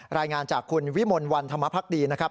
รายงานจากคุณวิมลวันธรรมภักดีนะครับ